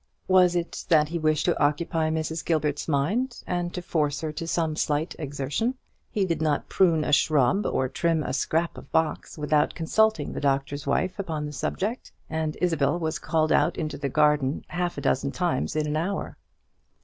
Was it that he wished to occupy Mrs. Gilbert's mind, and to force her to some slight exertion? He did not prune a shrub, or trim a scrap of box, without consulting the Doctor's Wife upon the subject; and Isabel was called out into the garden half a dozen times in an hour.